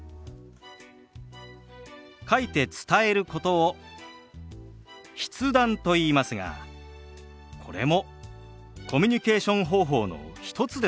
書いて伝えることを「筆談」といいますがこれもコミュニケーション方法の一つですから。